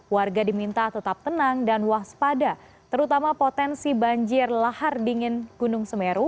warga diminta tetap tenang dan waspada terutama potensi banjir lahar dingin gunung semeru